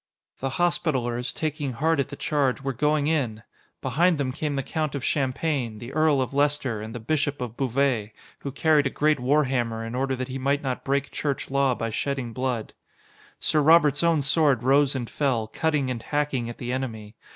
The Hospitallers, taking heart at the charge, were going in! Behind them came the Count of Champagne, the Earl of Leister, and the Bishop of Beauvais, who carried a great warhammer in order that he might not break Church Law by shedding blood. Sir Robert's own sword rose and fell, cutting and hacking at the enemy.